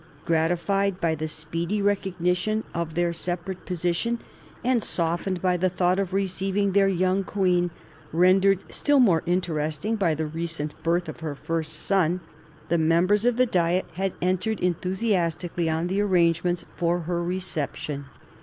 Gratified by the speedy recog nition of their separate position, and softened by the thought of receiving their young queen, rendered still more interesting by the recent birth of her first son, the members of the Diet had entered enthusiastically on the arrangements for her reception.